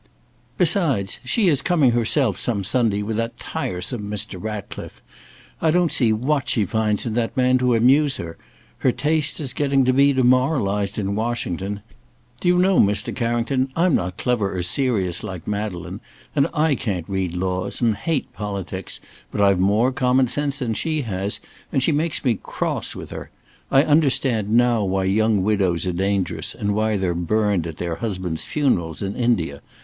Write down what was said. Besides, she is coming herself some Sunday with that tiresome Mr. Ratcliffe. I don't see what she finds in that man to amuse her. Her taste is getting to be demoralised in Washington. Do you know, Mr. Carrington, I'm not clever or serious, like Madeleine, and I can't read laws, and hate politics, but I've more common sense than she has, and she makes me cross with her. I understand now why young widows are dangerous, and why they're bumed at their husband's funerals in India.